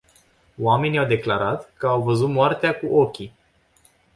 Oamenii au declarat, că au văzut moartea cu ochii.